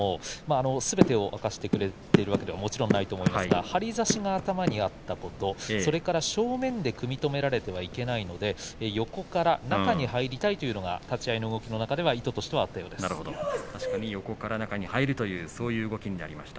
すべてを明かしてくれているわけではないと思いますが張り出しが頭にあったこと正面で組み止められてはいけないので横から中に入りたいというのが立ち合いの動きの中では意図としてあったということを話しています。